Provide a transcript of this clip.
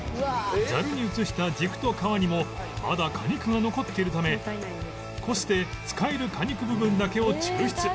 ザルに移した軸と皮にもまだ果肉が残っているためこして使える果肉部分だけを抽出